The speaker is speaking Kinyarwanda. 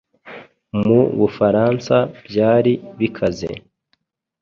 mu bufaransa byari bikaze